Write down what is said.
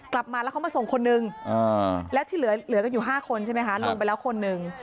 กลับมาแล้วเขามาส่งคนนึงแล้วที่เหลือกันอยู่๕คนใช่ไหมคะลงไปแล้วคนหนึ่ง